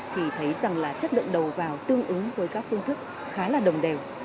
thì thấy rằng là chất lượng đầu vào tương ứng với các phương thức khá là đồng đều